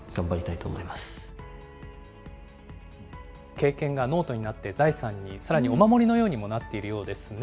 経験がノートになって、財産に、さらにお守りのようにもなっているようですね。